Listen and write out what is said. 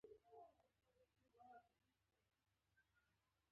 د اولاد روزنه او ساتنه د والدینو مسؤلیت دی.